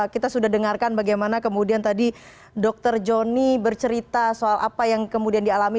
kita sudah dengarkan bagaimana kemudian tadi dokter joni bercerita soal apa yang kemudian dialami